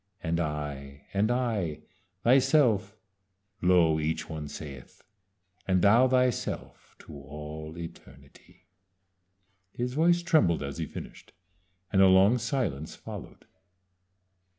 'And I and I thyself' (lo! each one saith) 'And thou thyself to all eternity.'" His voice trembled as he finished, and a long silence followed.